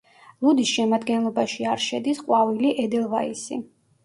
ლუდის შემადგენლობაში არ შედის ყვავილი ედელვაისი.